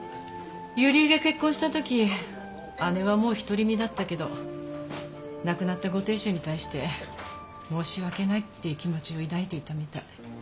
友里恵が結婚した時姉はもう独り身だったけど亡くなったご亭主に対して申し訳ないっていう気持ちを抱いていたみたい。